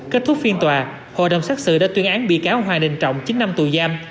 kết thúc phiên tòa hội đồng xét xử đã tuyên án bị cáo hoàng đình trọng chín năm tù giam